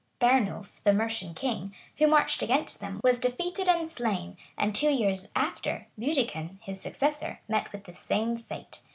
[*] Bernulf, the Mercian king, who marched against them, was feated and siain; and two years after, Ludican, his successor, met with the same fate.